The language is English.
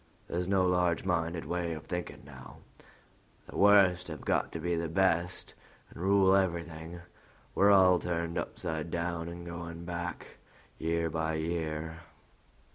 There's no large minded way of thinking now: the worst have got to be best and rule everything; we're all turned upside down and going back year by year."